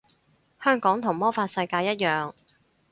香港同魔法世界一樣